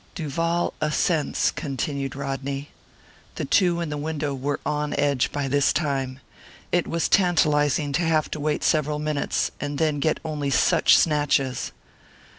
"Duval assents," continued Rodney. The two in the window were on edge by this time. It was tantalising to have to wait several minutes, and then get only such snatches.